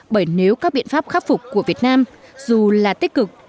bởi nếu các biện pháp khắc phục của việt nam dù là tích cực